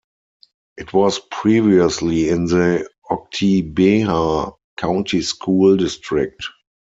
It was previously in the Oktibbeha County School District.